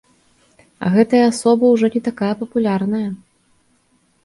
А гэтая асоба ўжо не такая папулярная.